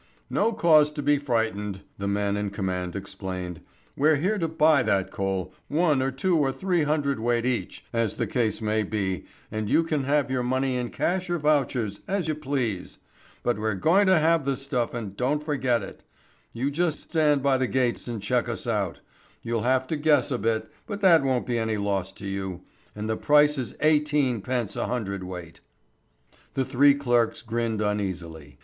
"No cause to be frightened," the man in command explained. "We're here to buy that coal, one or two or three hundredweight each, as the case may be, and you can have your money in cash or vouchers, as you please. But we're going to have the stuff and don't you forget it. You just stand by the gates and check us out. You'll have to guess a bit, but that won't be any loss to you. And the price is eighteen pence a hundredweight." The three clerks grinned uneasily.